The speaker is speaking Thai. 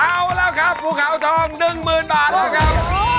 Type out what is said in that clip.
เอาล่ะครับภูเขาทอง๑๐๐๐๐บาทครับ